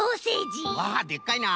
あっでっかいな。